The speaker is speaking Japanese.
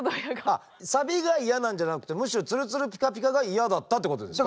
あっサビが嫌なんじゃなくてむしろツルツルピカピカが嫌だったってことですか？